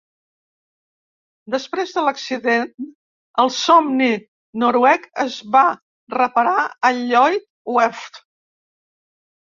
Després de l'accident, el "Somni noruec" es va reparar a Lloyd Werft.